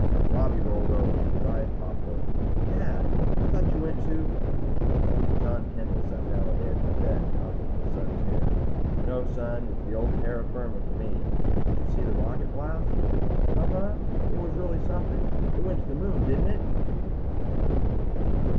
Bobby rolled over. His eyes popped open. "Dad! I thought you went to " John Kendall sat down on the edge of the bed and tousled his son's hair. "No, son. It's the old terra firma for me. Did you see the rocket blast?" "Uh huh. It was really something. It went to the moon, didn't it?"